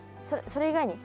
そそれ以外に？